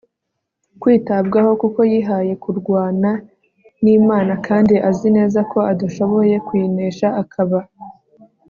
kwitabwaho kuko yihaye kurwana n'imana kandi azi neza ako adashobora kuyinesha ; akaba